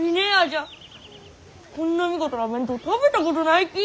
こんな見事な弁当食べたことないき！